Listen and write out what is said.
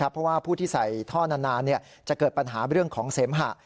เพราะว่าผู้ที่ใส่ท่อนานจะเกิดปัญหาเรื่องของเสมหะ